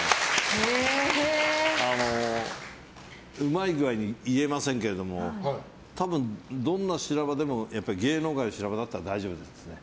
うまい具合に言えませんけども多分、どんな修羅場でも芸能界の修羅場だったら大丈夫ですね。